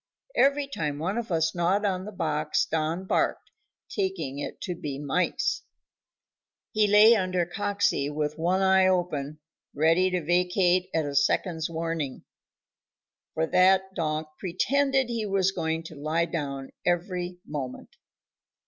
Every time one of us gnawed on the box Don barked, taking it to be mice. He lay under Coxey with one eye open, ready to vacate at a second's warning, for that donk pretended he was going to lie down every moment.